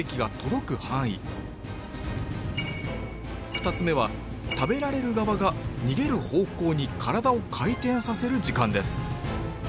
２つ目は食べられる側が逃げる方向に体を回転させる時間です